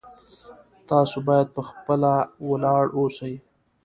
تاسو باید په خپله ولاړ اوسئ